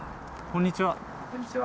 こんにちは。